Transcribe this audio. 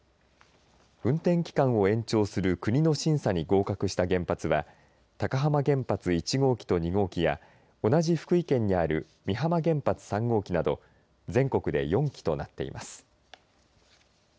運転期間を延長する国の審査に合格した原発は高浜原発１号機と２号機や同じ福井県にある美浜原発３号機など全国で４基となっています。